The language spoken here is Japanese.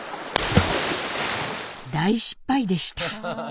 大失敗でした！